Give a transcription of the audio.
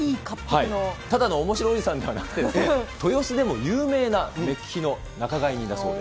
ただのおもしろおじさんじゃなくて、豊洲でも有名な目利きの仲買人だそうで。